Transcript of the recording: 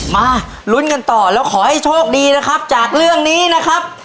มาลุ้นกันต่อแล้วขอให้โชคดีนะครับจากเรื่องนี้นะครับ